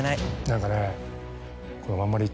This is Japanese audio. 何かね。